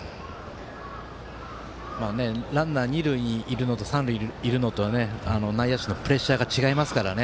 ランナー、二塁にいるのと三塁にいるのと内野手のプレッシャーが違いますからね。